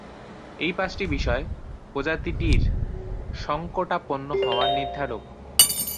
এই পাঁচটি বিষয় প্রজাতিটির সংকটাপন্ন হওয়ার নির্ধারক।